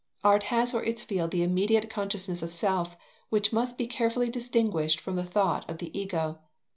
Art has for its field the immediate consciousness of self, which must be carefully distinguished from the thought of the Ego.